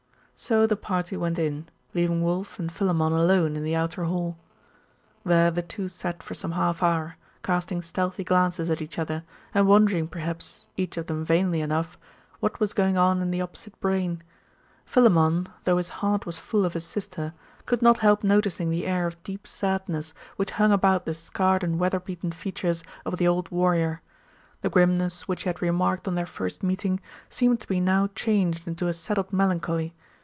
So the party went in, leaving Wulf and Philammon alone in the outer hall. There the two sat for some half hour, casting stealthy glances at each other, and wondering perhaps, each of them vainly enough, what was going on in the opposite brain. Philammon, though his heart was full of his sister, could not help noticing the air of deep sadness which hung about the scarred and weather beaten features of the old warrior. The grimness which he had remarked on their first meeting seemed to be now changed into a settled melancholy.